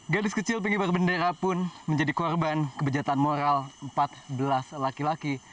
gadis kecil pengibar bendera pun menjadi korban kebejatan moral empat belas laki laki